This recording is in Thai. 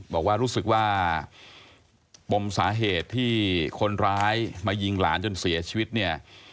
บอกว่ารู้สึกว่าปมสาเหตุที่คนร้ายมายิงหลานจนเสียชีวิตเนี่ย